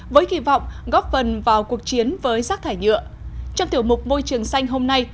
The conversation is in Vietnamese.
với kỳ vọng góp phần vào cuộc chiến với rác thải nhựa trong tiểu mục môi trường xanh hôm nay